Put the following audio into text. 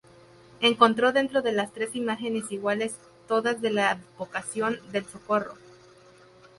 Encontró dentro las tres imágenes iguales, todas de la advocación del Socorro.